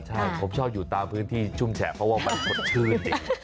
ใช่ผมชอบอยู่ตามพื้นที่ชุ่มแฉะเพราะว่ามันสดชื่น